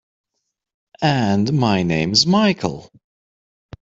And my name's Michael.